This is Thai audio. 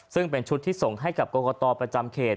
ซึ่งเป็นชุดที่ส่งให้กับกรกตประจำเขต